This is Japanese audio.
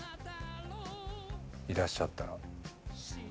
いらっしゃったら。